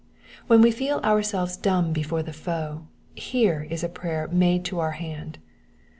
When we feel ourselves dumb before the foe, here is a prayer made to our hand.